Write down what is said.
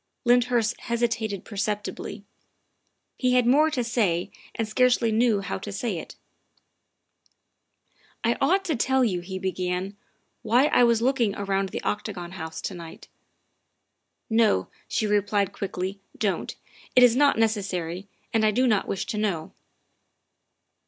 '' Lyndhurst hesitated perceptibly; he had more to say and scarcely knew how to say it. '' I ought to tell you, '' he began, '' why I was looking around the Octagon House to night." " No," she replied quickly, " don't. It is not neces sary and I do not wish to know."